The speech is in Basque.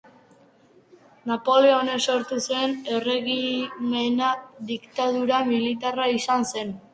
Napoleonek sortu zuen erregimena diktadura militarra izan zen.